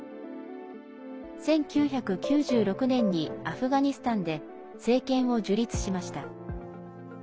１９９６年にアフガニスタンで政権を樹立しました。